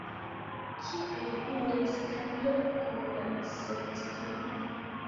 Kien iris Karlo kun la servistino?